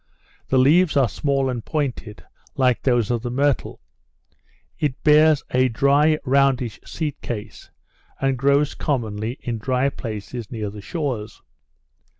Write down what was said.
The leaves are small and pointed, like those of the myrtle; it bears a dry roundish seed case, and grows commonly in dry places near the shores.